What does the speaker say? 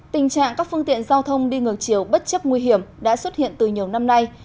tình trạng các phương tiện giao thông đi ngược chiều bất chấp nguy hiểm đã xuất hiện từ nhiều năm nay